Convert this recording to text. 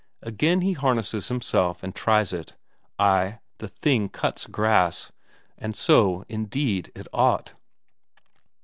Again he harnesses himself and tries it; ay, the thing cuts grass. And so indeed it ought!